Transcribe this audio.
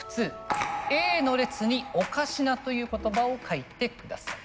「Ａの列に『おかしな』という言葉を書いてください」。